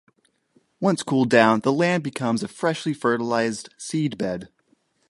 Once cooled down, the land becomes a freshly fertilised seed bed.